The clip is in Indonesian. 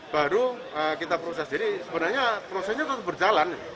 baru kita proses jadi sebenarnya prosesnya tetap berjalan